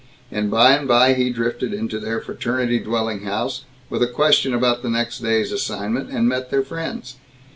And by and by he drifted into their fraternity dwelling house, with a question about the next day's assignment, and met their friends.